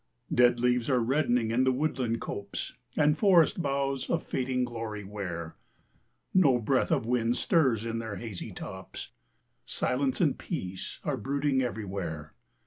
Dead leaves are reddening in the woodland copse, And forest boughs a fading glory wear; No breath of wind stirs in their hazy tops, Silence and peace are brooding everywhere.